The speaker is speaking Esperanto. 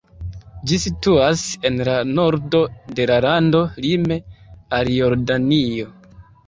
Ĝi situas en la nordo de la lando lime al Jordanio.